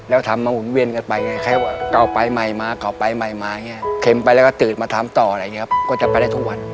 แล้วทำมาอุ่นเวียนกันไปเนี่ยแค่ว่าเก่าไปใหม่มาเก่าไปใหม่มาเนี่ยเข็มไปแล้วก็ตืดมาทำต่ออะไรอย่างนี้ครับก็จะไปได้ทุกวัน